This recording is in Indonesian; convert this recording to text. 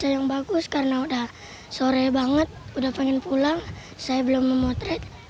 cuaca yang bagus karena sudah sore banget sudah pengen pulang saya belum memotret